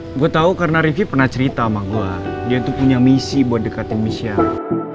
ya gua tahu karena rif pernah cerita sama gua dia itu punya misi buat dekatin michelle